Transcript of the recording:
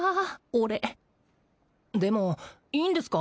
俺でもいいんですか？